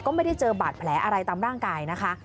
ก็ไม่ได้เจอบาดแผลอะไรตามร่างกายนะคะ